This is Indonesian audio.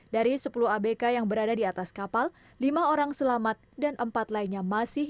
dari sepuluh abk yang berada di atas kapal lima orang selamat dan empat lainnya masih